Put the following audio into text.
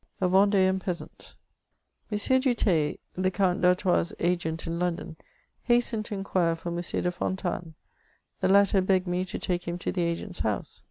A YENDEAN PEASAKT. M. DU Theil, the Count d'Artois' agent in London, has tened to inquire for M. de Fontanes : the latter begged me to take him to the agent's house.